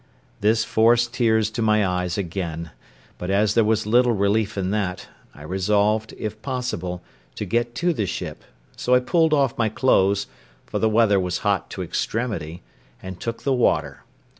This forced tears to my eyes again; but as there was little relief in that, I resolved, if possible, to get to the ship; so I pulled off my clothes—for the weather was hot to extremity—and took the water.